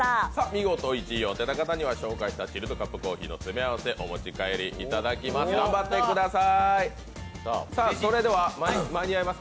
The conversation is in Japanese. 見事１位を当てた方にはチルドカップコーヒーの詰め合わせお持ち帰りいただきます、頑張ってください。